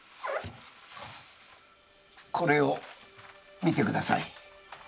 これを見てください。